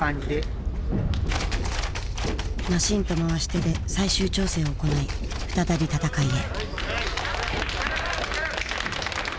マシンと回し手で最終調整を行い再び戦いへ。